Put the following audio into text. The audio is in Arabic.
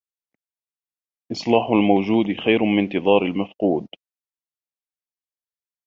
إصلاح الموجود خير من انتظار المفقود